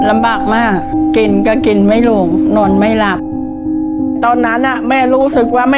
ไม่ถูก